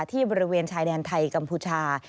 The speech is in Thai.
บริเวณชายแดนไทยกัมพูชา